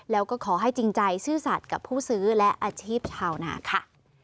แล้วก็ขอให้จริงใจซื่อสัตว์กับผู้ซื้อและอาชีพชาวนาค่ะ